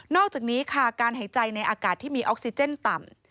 อกจากนี้ค่ะการหายใจในอากาศที่มีออกซิเจนต่ำ